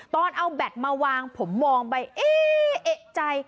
ตอนเอาแบตมาวางผมมองไปเอ๊ะเอกใจ